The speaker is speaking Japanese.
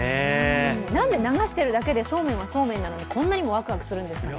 なんで流してるだけでそうめんはそうめんなのにこんなにもワクワクするんでしょうね。